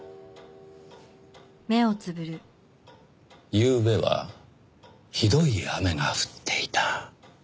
ゆうべはひどい雨が降っていた。